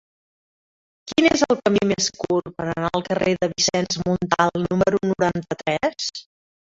Quin és el camí més curt per anar al carrer de Vicenç Montal número noranta-tres?